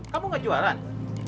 kamu tidak jombl stanie